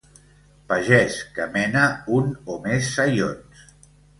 Pagès que mena un o més saions.